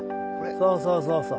そうそうそうそう。